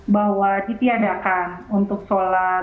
bahwa ditiadakan untuk sholat